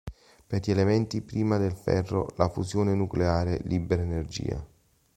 Per gli elementi prima del ferro, la fusione nucleare libera energia.